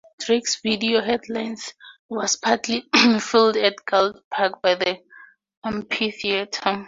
Drake's video "Headlines" was partly filmed at Guild Park by the amphitheatre.